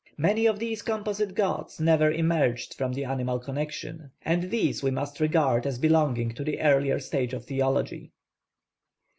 Many of these composite gods never emerged from the animal connection, and these we must regard as belonging to the earlier stage of theology.